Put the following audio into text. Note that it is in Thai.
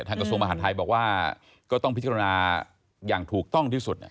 กระทรวงมหาดไทยบอกว่าก็ต้องพิจารณาอย่างถูกต้องที่สุด